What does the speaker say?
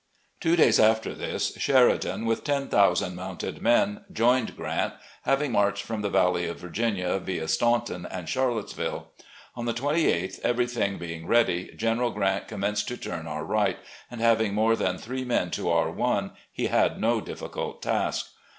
Two days after this, Sheridan, with ten thousand mounted men, joined Grant, having marched from the Valley of Virginia via Staunton and Charlottesville. On the 28th, every thing being ready. General Grant commenced to turn our right, and having more than three men to our one, he had no difficult task.